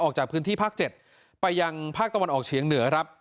ออกจากพื้นที่ภาค๗ไปยังภาคตะวันออกเฉียงเหนือครับ